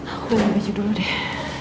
aku beli baju dulu deh